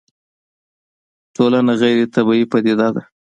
ټولنه غيري طبيعي پديده ده